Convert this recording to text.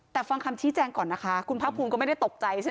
แต่ฟังคำชี้แจงก่อนนะคะคุณภาคภูมิก็ไม่ได้ตกใจใช่ไหม